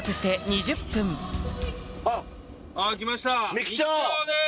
三木町です！